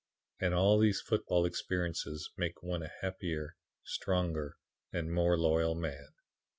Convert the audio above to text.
And all these football experiences make one a happier, stronger and more loyal man.